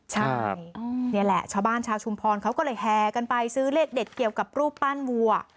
ใช่นี่แหละชาวบ้านชาวชุมพรเขาก็เลยแห่กันไปซื้อเลขเด็ดเกี่ยวกับรูปปั้นวัว